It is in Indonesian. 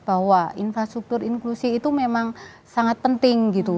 bahwa infrastruktur inklusi itu memang sangat penting gitu